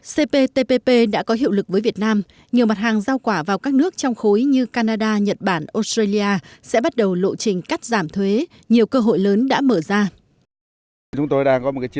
cptpp đã có hiệu lực với việt nam nhiều mặt hàng giao quả vào các nước trong khối như canada nhật bản australia sẽ bắt đầu lộ trình cắt giảm thuế nhiều cơ hội lớn đã mở ra